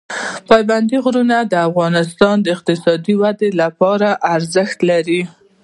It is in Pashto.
پابندی غرونه د افغانستان د اقتصادي ودې لپاره ارزښت لري.